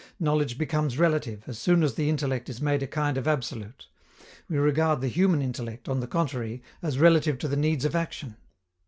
Knowledge becomes relative, as soon as the intellect is made a kind of absolute. We regard the human intellect, on the contrary, as relative to the needs of action.